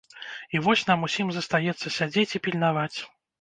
І вось нам усім застаецца сядзець і пільнаваць.